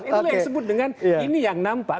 ini yang sebut dengan ini yang nampak